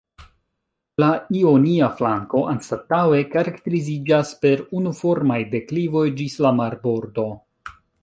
La ionia flanko anstataŭe karakteriziĝas per unuformaj deklivoj ĝis la marbordo.